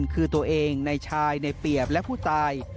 คือตัวเองในชายในเปรียบและผู้ตาย